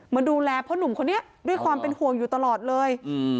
มาดูแลพ่อหนุ่มคนนี้ด้วยความเป็นห่วงอยู่ตลอดเลย